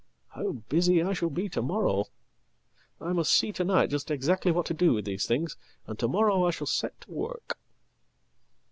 How busy I shall be to morrow! I must see to night justexactly what to do with these things, and to morrow I shall set to work.""